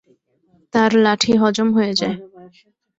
তার লাঠি হজম হয়ে যায়।